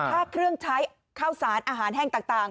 ถ้าเครื่องใช้ข้าวสารอาหารแห้งต่าง